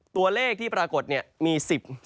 ตัวเลขที่ปรากฏเนี่ยมี๑๕